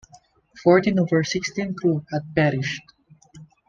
Fourteen of her sixteen crew had perished.